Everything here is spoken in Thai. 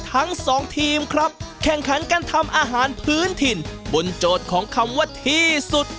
ทั้งสองทีมครับแข่งขันการทำอาหารพื้นถิ่นบนโจทย์ของคำว่าที่สุด